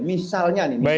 misalnya nih misalnya